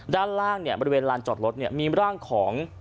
ด้านล่างบริเวณลานจอดรถมีร่างของ